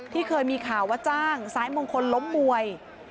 เคยมีข่าวว่าจ้างสายมงคลล้มมวย